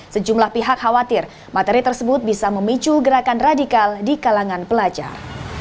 sejumlah pihak khawatir materi tersebut bisa memicu gerakan radikal di kalangan pelajar